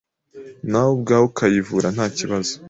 nawe ubwawe ukayivura ntakibazo